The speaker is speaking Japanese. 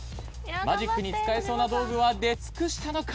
マジックに使えそうな道具は出尽くしたのか？